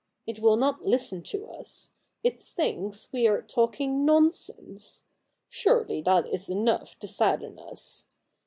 It will not listen to us. It thinks we are talking nonsense. Surely that is enough to sadden us.